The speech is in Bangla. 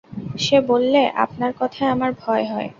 সে বললে, আপনার কথায় আমার ভয় হয়।